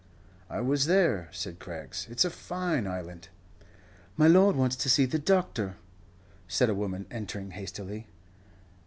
"I was there," said Craggs, "it's a fine island." "My lord wants to see the doctor," said a woman, entering hastily.